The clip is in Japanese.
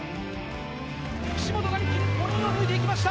岸本が一気に５人を抜いていきました。